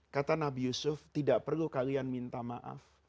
kata nabi yusuf tidak perlu kalian minta maaf